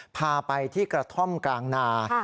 พาไปที่กระท่อมกลางนา